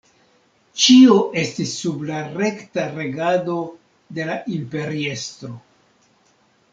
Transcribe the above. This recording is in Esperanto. Ĉio estis sub la rekta regado de la imperiestro.